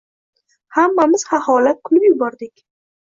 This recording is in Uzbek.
Hammamiz xaxolab kulib yubordik.